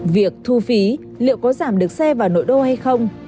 việc thu phí liệu có giảm được xe vào nội đô hay không